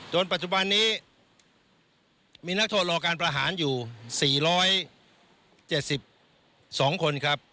ปัจจุบันนี้มีนักโทษรอการประหารอยู่๔๗๒คนครับ